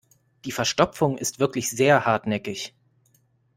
Die Verstopfung ist wirklich sehr hartnäckig.